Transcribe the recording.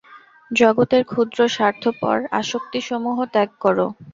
জগতের ক্ষুদ্র স্বার্থপর আসক্তিসমূহ ত্যাগ কর।